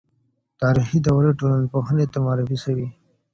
تاریخي دورې ټولنپوهنې ته معرفي سوې.